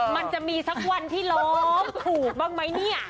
มันจะมีสักวันที่ร้องถูกบ้างไหมเนี่ย